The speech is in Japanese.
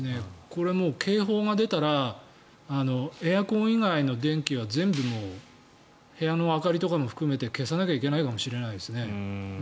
これ、もう警報が出たらエアコン以外の電気は全部部屋の明かりとかも含めて消さなきゃいけないかもしれないですね。